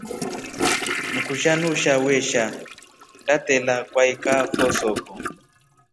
Mkusha nuusha wesha ndatela kwaikafo soko.